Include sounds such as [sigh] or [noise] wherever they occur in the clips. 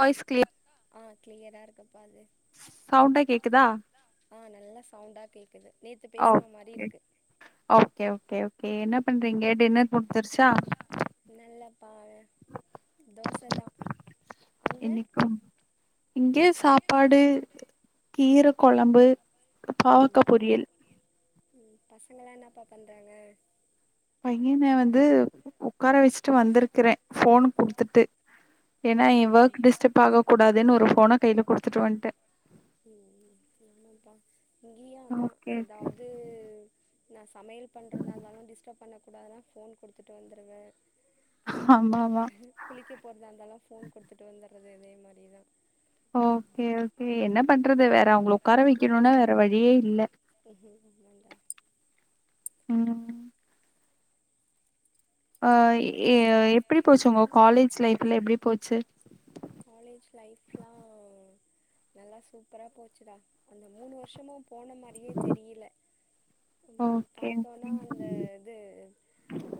Voice கி ஆ க்ளியரா இருக்குப்பா அது ஆ நல்லா சவுண்டா கேக்குது நேத்து பேசுன மாரி இருக்கு ஓகே ஓகே ஓகே என்ன பண்றீங்க டின்னர் முடுத்துருச்சா இல்லேலப்பா அழ இன்னைக்கு இன்கேஸ் ஏ சாப்பாடு கீர குழம்பு பாவக்கா பொரியல் ம் பசங்கல்லா என்னப்பா பண்றாங்க பையன வந்து உக்கார வெச்சுட்டு வந்துருக்குறே ஃபோன் குடுத்துட்டு ஏன்னா ஏ வர்க் டிஸ்டர்ப் ஆக கூடாதுன்னு ஒரு ஃபோன கைல குடுத்துட்டு வன்ட்டே ம் ம் ஆமாப்பா இங்கயு அதா எதாவது நா சமையல் பண்றதா இருந்தாலு டிஸ்ட்ரப் பண்ணக்கூடாது தா ஃபோன் குடுத்துட்டு வந்துருவே குளிக்க போறதா இருந்தாலு ஃபோன் குடுத்துட்டு வந்தட்றது இதே மாரிதா ஓகே ஓகே என்ன பண்றது வேற அவுங்கள உக்கார வைக்கணுன்னா வேற வழியே இல்ல வேண்டா ம் அ எ எப்டி போச்சு உங்க காலேஜ் லைஃப்ல எப்டி போச்சு காலேஜ் லைஃப்லா நல்லா சூப்பரா போச்சுடா அந்த மூணு வருஷமும் போன மாரியே தெரியல ம் ஹும் பாத்தோனா அந்த இது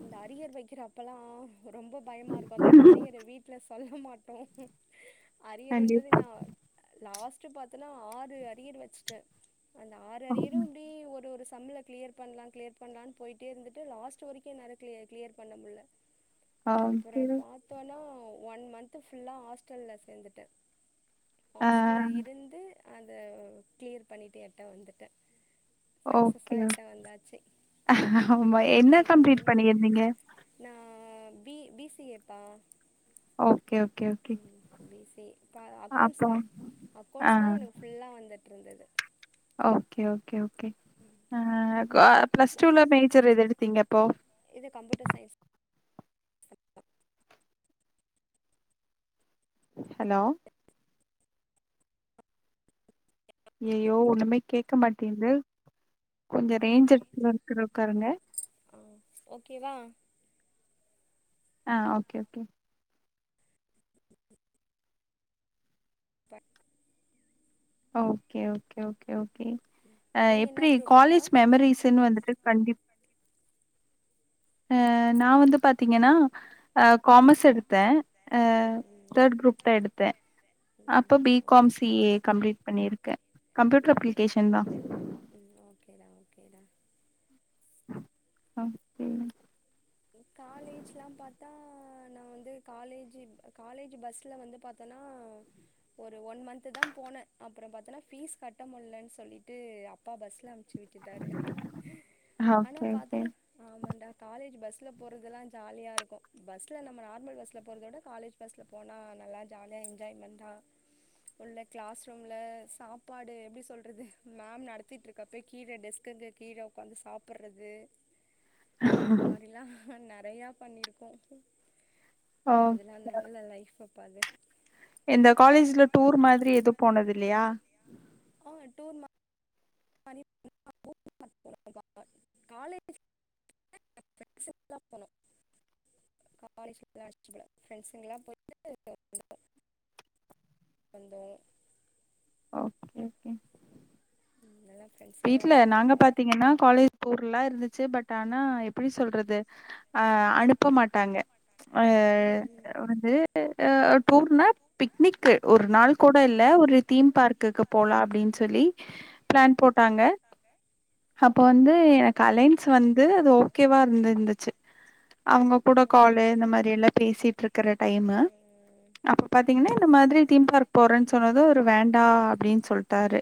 அந்த அரியர் வைக்கிற அப்பல்லா ரொம்போ பயமா இருக்கு அதா அந்த அரியரு வீட்ல சொல்ல மாட்டோ அரியர்ருன்றது நா லாஸ்ட்டா பாத்தன்னா ஆறு அரியர் வச்ட்டே அந்த ஆறு அரியரு அப்டி ஒரு ஒரு சம்ள க்ளியர் பண்லா க்ளியர் பண்லான்னு போய்டிட்டே இருந்துட்டு லாஸ்ட்டு வரைக்கு என்னால க்ளியர் க்ளியர் பண்ண முட்ல அப்றோ பாத்தோனா ஒன் மந்த் ஃபுல்லா ஹாஸ்டல்ல சேந்துட்டே ஹாஸ்டல்ல இருந்து அத க்ளியர் பண்ணிட்டு எட்ட வந்துட்டே சக்ஸஸ்ஸ எட்ட வந்தாச்சு நா பி பி சி ஏ பா okay okay okay B C A இப்பா அக்கௌண்ட்ஸ் தா அக்கௌண்ட்ஸ் தா எனக்கு ஃபுல்லா வந்துட்ருந்தது ஓகே ஓகே ஓகே அ அ கோ ப்ளஸ் டூல மேஜர் எது எடுத்தீங்க அப்போ இது கம்ப்யூட்டர் சயின்ஸ் ஹலோ அய்யயோ ஒன்னுமே கேட்க மாட்டேங்குது கொஞ்சொ ரேஞ்ச் இருக்கிற எடத்துல உக்காருங்க ஆ ஓகேவா ஆ okay okay but okay okay okay okay அ எப்டி காலேஜ் மெமரிஸ்ன்னு வந்துட்டு கண்டிப் அ நா வந்து பாத்தீங்கன்னா அ காமர்ஸ் எடுத்தே அ தேர்ட் குரூப் தா எடுத்தே அப்போ B com C A complete பண்ணிருக்கே கம்ப்யூட்டர் அப்ளிகேஷன்தா ம் ஓகேடா ஓகேடா ஓகே காலேஜ்லா பாத்தா நா வந்து காலேஜ் காலேஜ் பஸ்ல வந்து பா த்தனா ஒரு ஒன் மந்த்துதா போனே அப்றோ பாத்தோனா ஃபீஸ் கட்ட முடலன்னு சொல்லிட்டு அப்பா பஸ்ல ச்சு விட்டுட்டாரு ஆனா பாத்தன்னா ஆமான்டா காலேஜ் பஸ் ஸ்ல போறதெல்லா ஜாலியா இருக்கு பஸ்ல நம்ம நார்மல் பஸ்ல போறத விட காலேஜ் பஸ்ல போனா நல்லா ஜாலியா எஞ்ஜாய்மென்ட்டா உள்ள கிளாஸ் ரூம்ல சாப்பாடு எப்டி சொல்றது மேம் நடத்திட்டுருக் கப்பே கீழே டெஸ்க்குக் கீழ உக்காந்து சாப்பட்றது அந்த மாரிலா நெறையா பண்ணிருக்கோ அதெல்லா நல்ல லைஃபப்பா அது எந்த காலேஜ்ல டூர் மாதிரி எது போனது இல்லையா? ஆ டூர் மா [inaudible] [inaudible] காலேஜ் லாஸ்ட் போல பிரெண்ட்ஸ்ங்களா [inaudible] வந்தோ ஓகே ஓகே வீட்ல நாங்க பாத்தீங்கன்னா காலேஜ் பூர்லா இருந்துச்சு பட் ஆனா எப்டி சொல்றது அ அனுப் ப மாட்டாங்க அ வந்து அ டூர்னா பிக்னிக் ஒரு நாள் கூட இல்ல ஒரு தீம் பார்க்குக்கு போலா அப்டின்னு சொல்லி ப்ளான் போட்டாங்க அப்போ வந்து எனக்கு அலைன்ஸ் வந்து அது ஓகேவா இருந்துந்துச்சு அவங்க கூட காலு இந்த மாரி எல்லா பேசிட்டு இருக்கற டைமு அப் பாத்தீங்கன்னா இந்த மாதிரி தீம் பார்க் போறேன் சொன்னது ஒரு வேண்டா அப்டின்னு சொல்ட்டாரு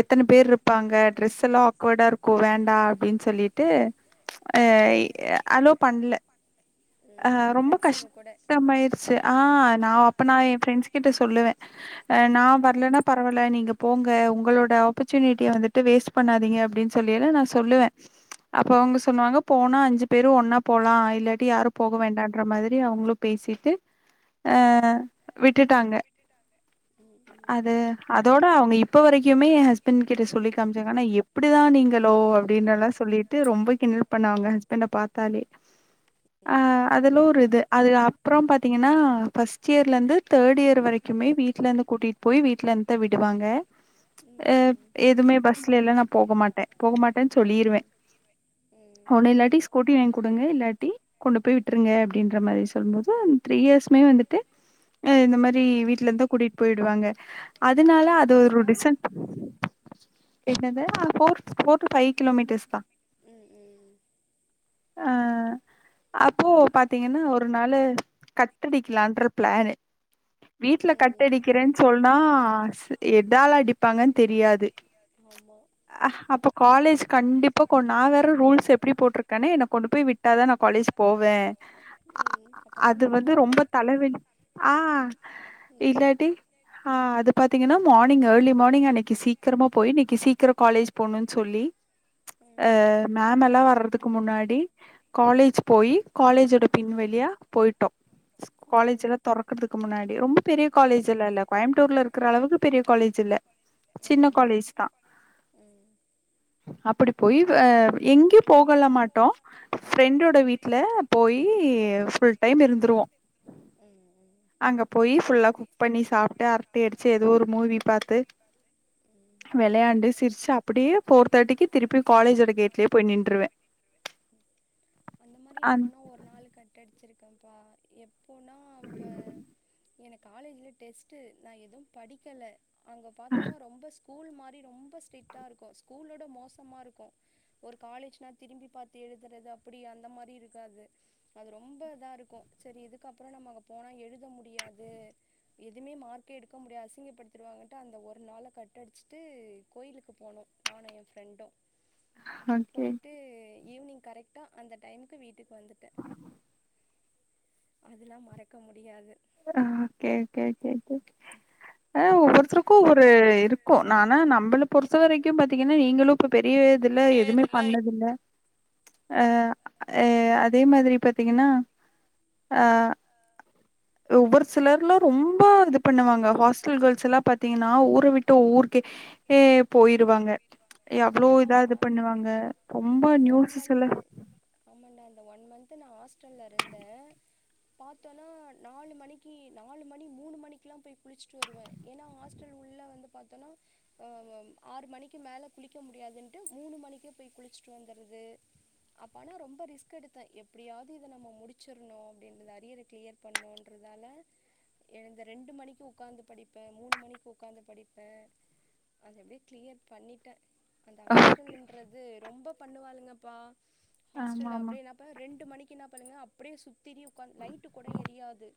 எத்தன பேர் இருப்பாங்க டிரெஸ் எல்லா ஆக்வேடா இருக்கு ம் அ ரொம்ப கஷ்ட மாயிடுச்சு, ஆ நா அப்ப நா எ ஃப்ரெண்ட்ஸ் கிட்ட சொல்லுவே அ நா வர்லன்னா பரவால்ல நீங்க போங்க, உங்களோட ஆப்பர்ச்சுனிட்டிய வந்துட்டு வேஸ்ட் பண்ணாதீங்க அப்டின் சொல்லைல நா சொல்லுவே அப்போ அவங்க சொன்னாங்க, போனா அஞ்சு பேரு ஒன்னா போலா இல்லாட்டி யாரு போக வேண்டான்ற மாதிரி அவங்களு பேசிட்டு அ விட்டுட்டாங்க. டுட்டாங்க அது அதோட அவங்க இப்ப வரைக்குமே எ ஹஸ்பண்ட் கிட்ட சொல்லி காமிச்சாங்க, ஆனா எப்டிதா நீங்களோ டினலா சொல்லிட்டு ரொம்ப கிண்டல் பண்ணாங்க ஹஸ்பண்ட பாத்தாலே அ கடலூர் இது அது த்தீங்கனா ஃபஸ்ட் இயர்லேந்து தேர்ட் இயர் வரைக்குமே வீட்டுலந்து கூட்டி போய் வீட்லந்தா விடுவாங்க எ எதுமே பஸ்ல இல்லனா போக மாட்டே போக மாட்டேன்னு சொல்லிருவே ம் இல்லாட்டி ஸ்கூட்டி வாங்கி குடுங்க இல்லாட்டி கொண்டு போய் விட்ருங்க அப்டின்ற மாரி சொல்லும் போது த்ரீ இயர்ஸ்மே வந்துட்டு அ இந்த மாரி வீட்டு்லந்தோ கூட்டிட்டு போயிடுவாங்க அதுனால அது ஒரு டிசன் என்னது அ four four two five kilometres தா அ அப்போ பாத்தீங்கன்னா ஒரு நாளு கட்டு அடிக்கலான்ற ப்ளானு வீட்ல கட் அடிக்கிறேன் சொன்னா ஸ் எதால அடிப்பாங்கன்னு தெரியாது ஆமா அஹ் அப்போ காலேஜ் கண்டிப்பா கொண் நா வேற ரூல்ஸ் எப்டி போட்டிருக்கன்னே என்ன கொண்டு போய் விட்டாதா நா காலேஜ் போவேன் அ அது வந்து ரொம்ப தலவலி ஆ இல்லாட்டி ஆ அது பாத்தீங்கனா மார்னிங் ஏர்லி மார்னிங் அன்னைக்கு சீக்கிரமா போய் இன்னைக்கு சீக்கிர காலேஜ் போனுன்னு சொல்லி அ மேம் எல்லா வர்றதுக்கு முன்னாடி காலே ச்சு போயி காலேஜோட பின்வெளியா போயிட்டோ ஸ் காலேஜ்லா தொறக்கற்துக்கு முன்னாடி ரொம் பெரிய காலேஜல்லா இல்ல ட்டூர்ல இருக்கிற அளவுக்கு பெரிய காலேஜ் இல்ல சின்ன காலேஜ் தா அப்டி போய் அ எங்கேயு போகலா மாட்டோ ஃப்ரெண்டோட வீட்ல போயி ஃபுல் டைம் இருந்துருவோ ம் ம் அங்க போயி ஃபுல்லா குக் பண்ணி சாப்டு அரட்டை அடிச்சு ஏதோ ஒரு மூவி பாத்து விளையாண்டு சிரிச்சு அப்டியே ஃபோர் தேட்டிக்கி திருப்பியு காலேஜோட கேட்லயே போயி நின்றுவே அந்த மாரி நானு ஒரு நாள் கட்டடு வச்சிருக்கம்பா எப்போனா அப்ப எனக் காலேஜில டெஸ்ட்டு நா எது படிக்கல அங்க பாத்தோனா ரொம்ப ஸ் ஸ்கூல் மாரி ரொம்ப ஸ்ட்ரிட்டா இருக்கு ஸ்கூலோட மோசமா இரு க்க ஒரு காலேஜ்னா திரும்பி பார்த்து எழுதுறது அப்பிடி அந்த மாதிரி இருக்காது அது ரொம்ப இதா இருக்கு சேரி இதுக்கப்பற நம்ம அங்க போனா எழுத முடியாது எதுமே மார்க்கே எடுக்க முடியா அசிங்கப்படுத்திருவாங்கன்ட்டு அந்த ஒரு நாள கட்டடிச்சிட்டு கோயிலுக்கு போனோ நானு என் ஃப்ரெண்டு போய்ட்டு ஈவ்னிங் கரெக்டா அந்த டைமுக்கு வீட்டுக்கு வந்துட்டே அதுலா மறக்க முடியாது ஆ கே கே கே ஆ ஒவ்வொருத்தருக்கு ஒரு இருக்கு நானா நம்பள பொருத்த வரைக்கும பாத்தீங்கன்னா நீங்களு இப்ப பெரிய இதுல எதுமே பண்ணது இல்ல ஆ எ அதே மாதிரி பாத்தீங்கன்னா ஆ ஒவ்வொர் சிலர்லா ரொம்ப இது பண்ணுவாங்க ஹாஸ்டல் கேள்ஸ்ல்லா பாத்தீங்கன்னா ஊரு விட்டு ஊருக்கே ஏ போயிருவாங்க எவ்ளோ இதா இது பண்ணுவாங்க ரொம்ப நியூஸ்ஸஸ்ல்லா ஆமான்டா இந்த ஒன் மன்த் நான் ஹாஸ்டல்ல இருந்தே பாத்தோன்னா நாலு மணி கி நாலு மணி மூணு மணிக்லா போய் குளிசிட்டு வருவே ஏன்னா ஹாஸ்டல் உள்ள வந்து பாத்தோனா ஆ ஆறு மணிக்கு மேல குளிக்க முடியாதுன்ட்டு மூணு மணிக்கே போய் குளிச்சுட்டு வந்துறது அப்ப ஆனா ரொம்ப ரிஸ்க் எடுத்த எப்டியாது இத நம்ம முடிச்சிருணு அப்டின்னு அரிய கிளியர் பண்ணுன்ற தால எழுந்த ரெண்டு மணிக்கு உக்காந்து படிப்பே மூணு மணிக்கு உக்காந்து படிப்பே அத எப்டியே கிளியர் பண்ணிட்டே அந்த ஹாஸ்டல்ன்றது ரொம்ப பண்ணுவாளுங்கப்பா ஹாஸ்டல் அப்டே நா இப்ப ரெண்டு மணிக்கி என்னா பண்ணுங்க அப்டியே சுத்திலு உக்காந் லைட் கூட எரியாது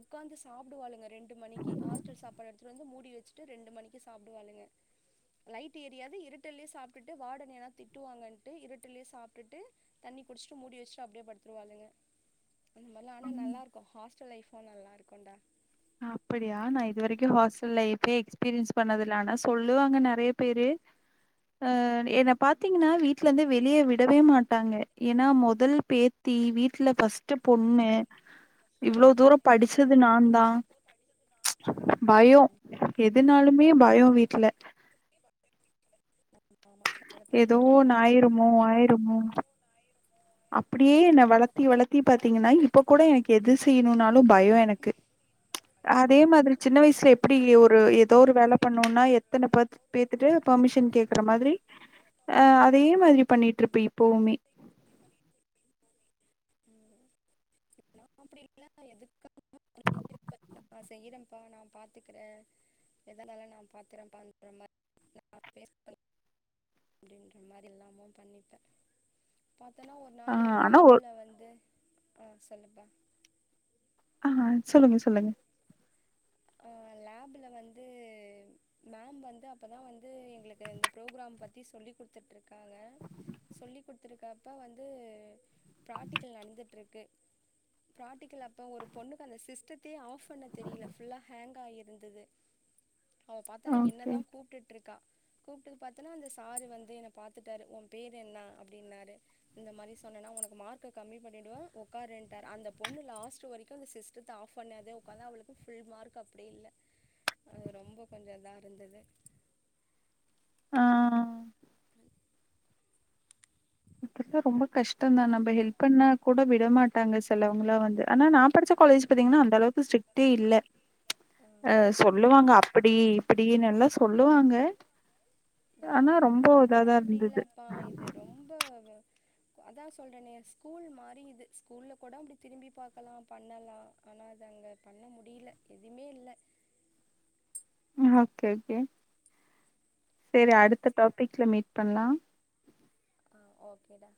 உக்காந்து சாப்புடுவாளுங்க ரெண்டு மணிக்கி ஹாஸ்டல் சாபாடு எடுத்து வந்து மூடி வச்ச டு ரெண்டு மணிக்கி சாப்டுவாலுங்க லைட் எரியாது இருட்டுலையே சாப்டுட்டு வாடன் ஏனா திட்டுவாங்கன்டு இருடுலேயே சாப்டுட்டு தண்ணி குடிச்ட்டு மூடி வச்ட்டு அப்டியே படுத்துருவாளுங்க அந்த மாரிலா ஆனா நல்லா இருக்கு ஹாஸ்டல் லைஃபும் நல்லா இருக்குன்டா அப்டியா நா இது வரைக்கு ஹாஸ்டல் லைப்பே எக்ஸ்பீரியன்ஸ் பண்ணதுல்ல ஆனா சொல்லுவாங்க நெறைய பேரு ஆ எ என்ன பாத்தீங்ன்னா வீட்லந்தே வெளியே விடவே மாட்டாங்க ஏன்னா மொதல் பேத் தி வீட்ல பஸ்ட் பொண்ணு இவ்ளோ தூரம் படிச்சது நா தான் தோ படிக்கணுதா பயோ எதுனாலுமே பயோ வீட்ல [inaudible] ஆமா ச எதோ ஒன்னு ஆயிரமோ ஆயிரமோ அப்டியே என்ன வளத்தி வளத்தி பாத்தீங்கன்னா இப்ப கூட எனக்கு எது செய்யணுன்னாலும் பயோ எனக்கு அதே மாதிரி சின்ன வயசுல எப்டி ஒரு ஏதோ ஒரு வேல பண்ணுனா எத்தன பாத் பேத்துட்ட பர்மிஷன் கேக்குற மாதிரி அ அதே மாதிரி பண்ணிட்டு இருப்ப இப்பவுமே ம் அப்டி இல்ல எதுக்க நான் செய்யிறன்ப்பா நா பாத்துக்குறே எதனால நா பாத்திரேன்ற மாரி [inaudible] அப்டின்ற மாரி எல்லாமும் பண்ணிப்பே பாத்தன்னா ஒரு நாளு லேப்ல வந்து ஆ சொல்லுபா ஆ சொல்லுங்க சொல்லுங்க ஆ லேப்ல வந்து மேம் வந்து அப்பதா வந்து எங்ளுக்கு இந்த ப்ரோக்ராம் பத்தி சொல்லி் குடுத்துட்டுருக்காங்க சொல்லி் குடுத்துருக்கப்ப வந்து பிராட்டிக்கல் நடந்துட்ருக்கு ப்ராட்டிக்கல் அப்ப ஒரு பொண்ணுக்கு அந்த சிஸ்டத்தயே ஆஃப் பண்ண தெரில ஃபுல்லா ஹேங்க் ஆயிருந்துது அவ பாத்தனா என்னதா கூப்ட்டுட்ருக்கா கூப்டது பாத்தனா அந்த சாரு வந்து என்ன பாத்துட்டாரு உம் பேரு என்ன அப்டின்னாரு இந்த மாரி சொன்னனா உனக்கு மார்க்க கம்மி பண்ணிடுவ உக்காருன்டாரு அந்த பொண்ணு லாஸ்ட் வரிக்கு அந்த சிஸ் டத்தா ஆஃப் பண்ணாதே உக்காந்து அவுளுக்கு ஃபுல் மார்க் அப்டி இல்ல அது ரொம்ப கொஞ்ச இதா இருந்துது ஆ இப்பெல்லா ரொம்ப கஷ்டந்தா நம்ப ஹெல்ப் பண்ணாகூட விடமாட்டாங்க சிலவங்களா வந்து ஆனா நா படிச்ச காலேஜ் பாத்தீங்கன்னா அந்த அளவுக்கு ஸ்ட்ரிக்டே இல்ல அ சொல்லுவாங்க அ ப்டி இப்டினு எல்லா சொல்லுவாங்க ஆனா ரொம்போ இதாதா இருந்துது எந்த ஊரு அதா சொல்றனே எ ஸ்கூல் மாரி இது ஸ்கூல்ல கொட அப்டி திரும்பி பாக்கலா பண்ணலா ஆனா அத அங்க பண்ண முடில எதுமே இல்ல ம் ஓகே ஓகே செரி அடுத்த டாபிக்ல மீட் பண்லா ஆ ஓகேடா